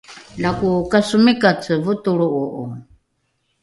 lako kasomikace votolro’o’o